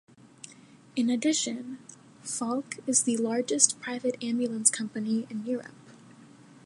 In addition, Falck is the largest private ambulance company in Europe.